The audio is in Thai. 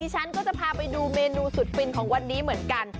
ฉันก็จะพาไปดูเมนูสุดฟินของวันนี้เหมือนกัน